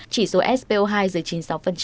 chỉ số spo hai dưới chín mươi sáu